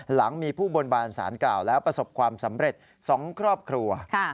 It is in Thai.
หลังมีผู้บนบานสารกล่าวแล้วประสบความสำเร็จ๒ครอบครัว